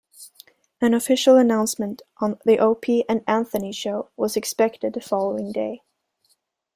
An official announcement on the Opie and Anthony Show was expected the following day.